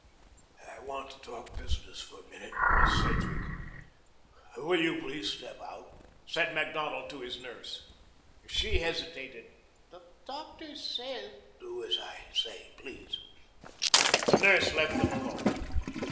"I want to talk business for a minute, Miss Sedgwick. Will you please step out?" said Macdonald to his nurse. She hesitated. "The doctor says " "Do as I say, please." The nurse left them alone.